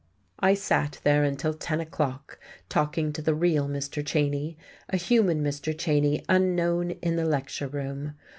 I sat there until ten o'clock talking to the real Mr. Cheyne, a human Mr. Cheyne unknown in the lecture room.